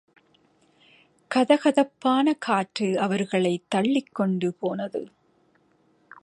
கதகதப்பான காற்று அவர்களைத் தள்ளிக் கொண்டு போனது.